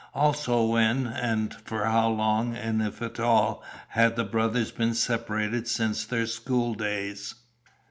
Also, when and for how long, if at all, had the brothers been separated since their schooldays?